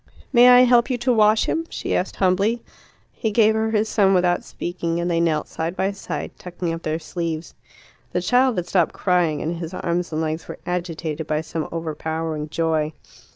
"May I help you to wash him?" she asked humbly. He gave her his son without speaking, and they knelt side by side, tucking up their sleeves. The child had stopped crying, and his arms and legs were agitated by some overpowering joy.